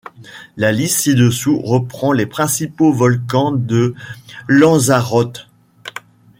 La liste ci-dessous reprend les principaux volcans de Lanzarote.